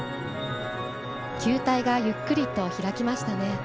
球体がゆっくりと開きましたね。